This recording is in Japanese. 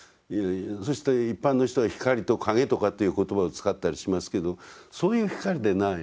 そして一般の人は光と影とかっていう言葉を使ったりしますけどそういう光でない。